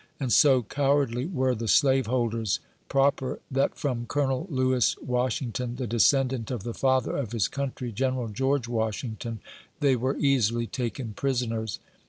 And so cowardly were the slaveholders, proper, that from Colonel Lewis Wash ington, the descendant of the Father of his Country, General George Washington, they were easily taken prisoners.